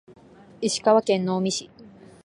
石川県能美市